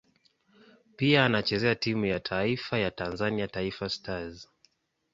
Pia anachezea timu ya taifa ya Tanzania Taifa Stars.